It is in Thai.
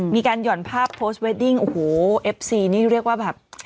หย่อนภาพโพสต์เวดดิ้งโอ้โหเอฟซีนี่เรียกว่าแบบ